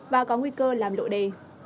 và có nguy cơ làm lộ đề